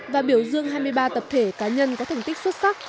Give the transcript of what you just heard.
và biểu dương hai mươi ba tập thể cá nhân có thành tích xuất sắc